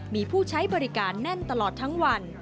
มีผู้ใช้บริการแน่นตลอดทั้งวัน